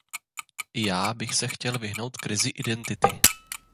I já bych se chtěl vyhnout krizi identity.